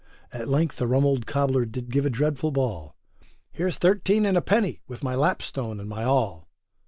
At length a rum old cobler did give a dreadful bawl, Here's thirteen and a penny, with my lapstone and my awl.